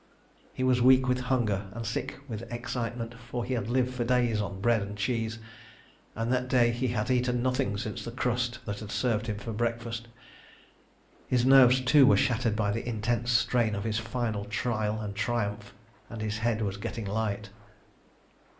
He was weak with hunger and sick with excitement, for he had lived for days on bread and cheese, and that day he had eaten nothing since the crust that had served him for breakfast. His nerves, too, were shattered by the intense strain of his final trial and triumph, and his head was getting light.